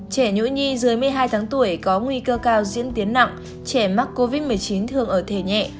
trẻ nhỗ nhi dưới một mươi hai tháng tuổi có nguy cơ cao diễn tiến nặng trẻ mắc covid một mươi chín thường ở thể nhẹ